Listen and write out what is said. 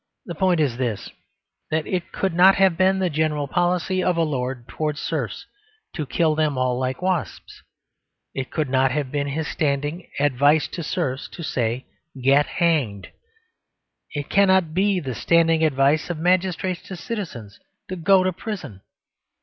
The point is this: that it could not have been the general policy of a lord towards serfs to kill them all like wasps. It could not have been his standing "Advice to Serfs" to say, "Get hanged." It cannot be the standing advice of magistrates to citizens to go to prison.